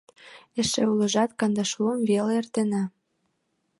Эше улыжат кандашлум веле эртенна!